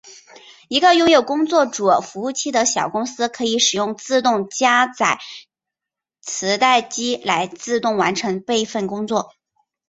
一个拥有工作组服务器的小公司可以使用自动加载磁带机来自动完成备份工作。